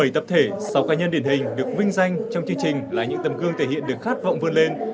bảy tập thể sáu cá nhân điển hình được vinh danh trong chương trình là những tầm gương thể hiện được khát vọng vươn lên